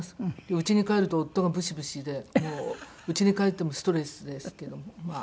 うちに帰ると夫がブシブシでもううちに帰ってもストレスですけどもまあ。